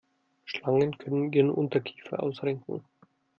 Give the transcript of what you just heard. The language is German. Schlangen können ihren Unterkiefer ausrenken.